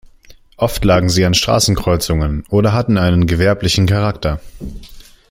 Oft lagen sie an Straßenkreuzungen oder hatten einen gewerblichen Charakter.